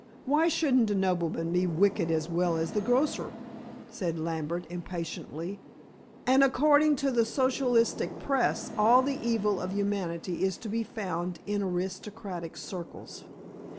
"Why shouldn't a nobleman be wicked as well as the grocer?" said Lambert impatiently, "and according to the socialistic press all the evil of humanity is to be found in aristocratic circles.